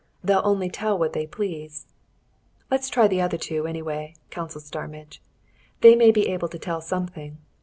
"They'll only tell what they please." "Let's try the other two, anyway," counselled Starmidge. "They may be able to tell something.